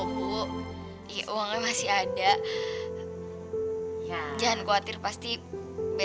bu sarapan somai enak lo